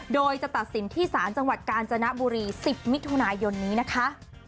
โดยจะตัดสินที่ศาลจังหวัดกาญจนบุรี๑๐มิถุนายนนี้นะคะ